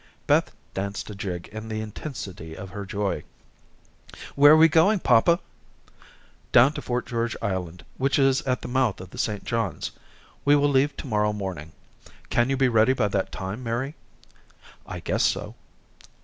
Beth danced a jig in the intensity of her joy. "Where are we going, papa?" "Down to Fort George Island, which is at the mouth of the St. Johns. We will leave to morrow morning. Can you be ready by that time, Mary?" "I guess so."